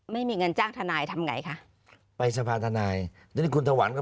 มีเงินจ้างธนาคารทำไงคะ